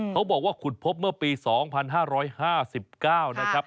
เขาบอกว่าขุดพบเมื่อปี๒๕๕๙นะครับ